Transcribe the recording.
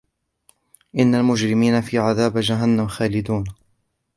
إِنَّ الْمُجْرِمِينَ فِي عَذَابِ جَهَنَّمَ خَالِدُونَ